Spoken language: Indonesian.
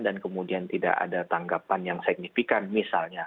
dan kemudian tidak ada tanggapan yang signifikan misalnya